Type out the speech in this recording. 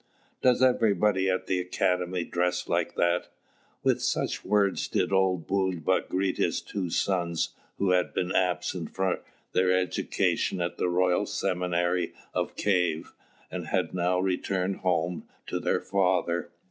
Does everybody at the academy dress like that?" With such words did old Bulba greet his two sons, who had been absent for their education at the Royal Seminary of Kief, and had now returned home to their father.